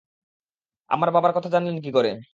আমার বাবার কথা জানলেন কী করে?